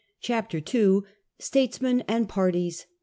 CHAPTER II. STATESMEN AND PARTIES.